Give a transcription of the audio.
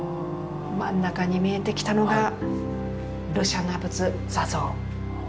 真ん中に見えてきたのが盧舎那仏坐像。